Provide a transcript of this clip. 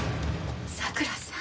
佐倉さん。